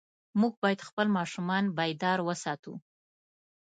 موږ باید خپل ماشومان بیدار وساتو.